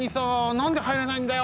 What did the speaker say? なんではいれないんだよ。